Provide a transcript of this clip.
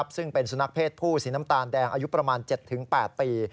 ซึ่งเป็นสุนัขเพศผู้สีน้ำตาลแดงอายุประมาณ๗๘ปี